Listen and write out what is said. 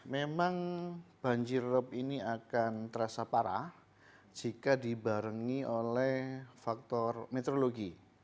memang banjir rob ini akan terasa parah jika dibarengi oleh faktor meteorologi